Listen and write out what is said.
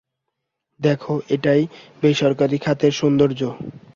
দেখো, এটাই বেসরকারি খাতের সৌন্দর্য।